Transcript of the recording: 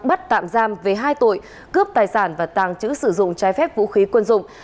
bắt tạm giam về hai tội cướp tài sản và tàng trữ sử dụng trái phép vũ khí quân dụng